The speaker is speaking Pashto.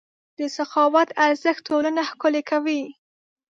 د سخاوت ارزښت ټولنه ښکلې کوي.